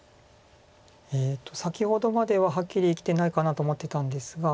先ほどまでははっきり生きてないかなと思ってたんですが。